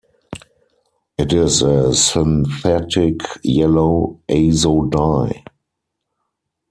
It is a synthetic yellow azo dye.